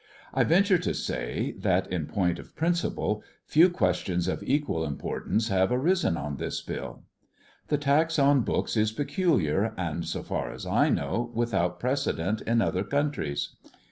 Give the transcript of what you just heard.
I venture to say, that, in point of principle, few questions of equal importance have arisen on this bill. The tax on books is peculiar, and, so far as I know, without precedent in other countries.